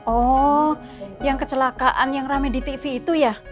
oh yang kecelakaan yang rame di tv itu ya